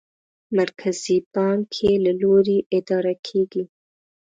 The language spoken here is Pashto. مرکزي بانک یې له لوري اداره کېږي.